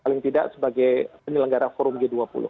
paling tidak sebagai penyelenggara forum g dua puluh